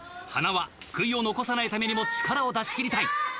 塙悔いを残さないためにも力を出しきりたい。